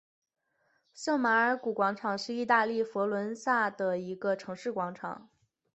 圣马尔谷广场是意大利佛罗伦萨的一个城市广场。